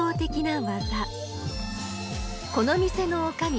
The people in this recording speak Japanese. この店のおかみ